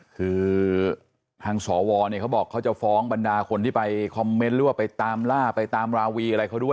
คือทางสวเนี่ยเขาบอกเขาจะฟ้องบรรดาคนที่ไปคอมเมนต์หรือว่าไปตามล่าไปตามราวีอะไรเขาด้วย